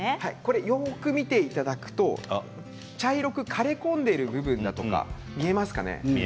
よく見ていただくと茶色く枯れ込んでいる部分が見えますか？